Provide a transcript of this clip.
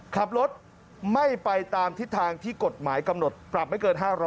ขับรถไม่ไปตามทิศทางที่กฎหมายกำหนดปรับไม่เกิน๕๐๐